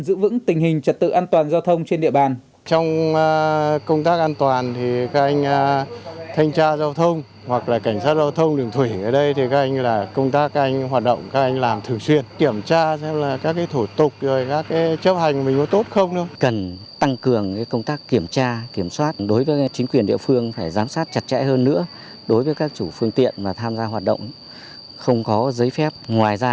giữ vững tình hình trật tự an toàn giao thông